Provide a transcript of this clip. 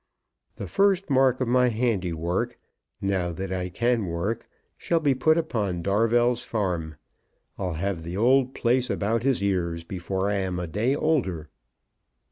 The first mark of my handiwork, now that I can work, shall be put upon Darvell's farm. I'll have the old place about his ears before I am a day older."